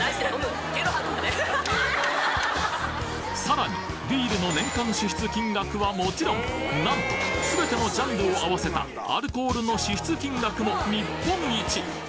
さらにビールの年間支出金額はもちろんなんとすべてのジャンルを合わせたアルコールの支出金額も日本一